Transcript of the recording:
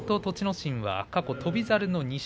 心は過去、翔猿の２勝。